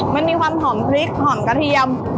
มันมีความหอมพริกหอมกระเทียม